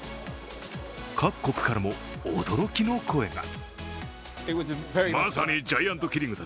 各国からも驚きの声が。